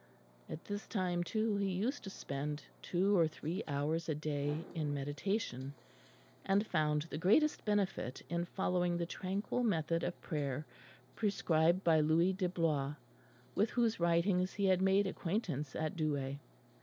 At this time, too, he used to spend two or three hours a day in meditation, and found the greatest benefit in following the tranquil method of prayer prescribed by Louis de Blois, with whose writings he had made acquaintance at Douai.